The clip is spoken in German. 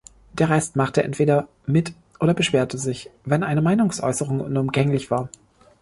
Der Rest machte entweder mit oder beschwerte sich, wenn eine Meinungsäußerung unumgänglich war.